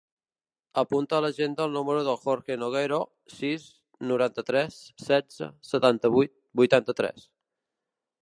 Apunta a l'agenda el número del Jorge Noguero: sis, noranta-tres, setze, setanta-vuit, vuitanta-tres.